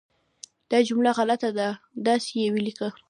دا جمله غلطه ده، داسې یې ولیکه